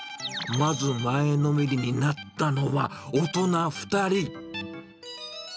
まず前のめりになったのは大人２人。